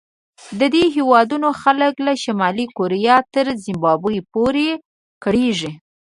د دې هېوادونو خلک له شمالي کوریا تر زیمبابوې پورې کړېږي.